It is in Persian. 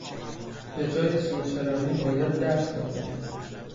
به جای سورچرانی باید درس بخوانی!